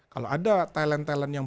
kalau ada thailand talent yang